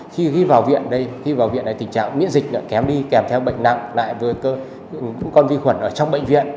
khi vào viện này tình trạng miễn dịch kém đi kèm theo bệnh nặng lại với những con vi khuẩn ở trong bệnh viện